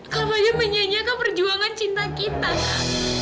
kak fadil menyanyiakan perjuangan cinta kita kak